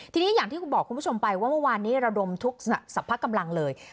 ทีนี้อย่างที่คุณบอกคุณผู้ชมไปว่าเมื่อวานนี้ระดมทุกสรรพกำลังเลย